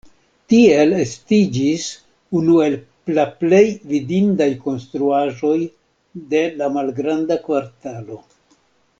Tiel estiĝis unu el la plej vidindaj konstruaĵoj de la Malgranda Kvartalo.